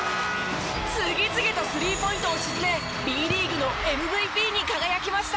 次々とスリーポイントを沈めＢリーグのＭＶＰに輝きました！